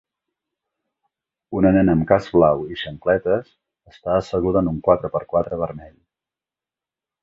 Una nena amb casc blau i xancletes està asseguda en un quatre per quatre vermell